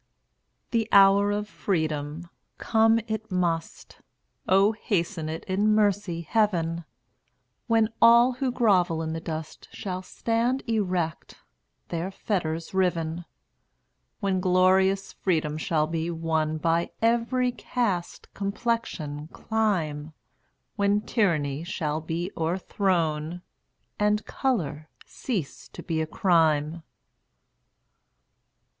The hour of freedom! come it must. O hasten it, in mercy, Heaven! When all who grovel in the dust Shall stand erect, their fetters riven; When glorious freedom shall be won By every caste, complexion, clime; When tyranny shall be o'erthrown, And color cease to be a crime.